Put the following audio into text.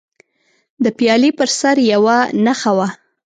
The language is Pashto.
د پیالې پر سر یوه نښه وه.